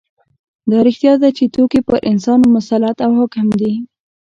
دا رښتیا ده چې توکي پر انسان مسلط او حاکم دي